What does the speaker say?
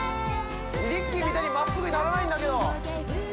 ＲＩＣＫＥＹみたいにまっすぐにならないんだけど！